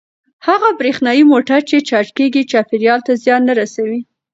هغه برېښنايي موټر چې چارج کیږي چاپیریال ته زیان نه رسوي.